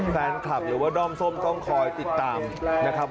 แฟนคลับหรือว่าด้อมส้มต้องคอยติดตามนะครับ